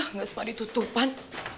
nggak sempat ditutupan